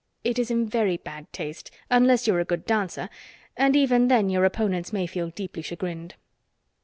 It is in very bad taste, unless you are a good dancer, and even then your opponents may feel deeply chagrined.